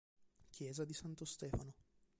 Chiesa di Santo Stefano